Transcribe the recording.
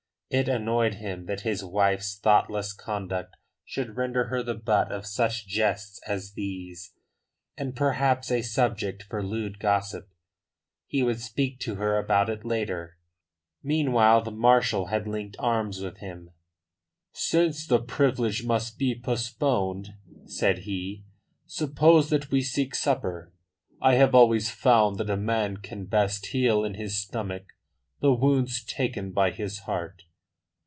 It annoyed him that his wife's thoughtless conduct should render her the butt of such jests as these, and perhaps a subject for lewd gossip. He would speak to her about it later. Meanwhile the marshal had linked arms with him. "Since the privilege must be postponed," said he, "suppose that we seek supper. I have always found that a man can best heal in his stomach the wounds taken by his heart."